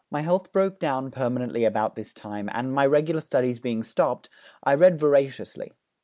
My health broke down permanently about this time, and, my regular studies being stopped, I read voraciously.